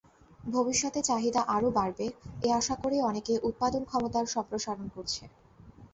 ভবিষ্যতে চাহিদা আরও বাড়বে এ আশা করেই অনেকে উৎপাদন ক্ষমতার সম্প্রসারণ করছে।